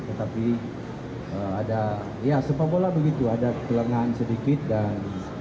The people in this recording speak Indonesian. tetapi ada ya sepapola begitu ada kelengan sedikit dan dua dua